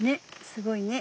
すごいね。